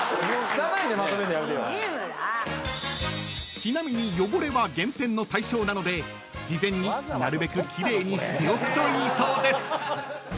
［ちなみに汚れは減点の対象なので事前になるべく奇麗にしておくといいそうです］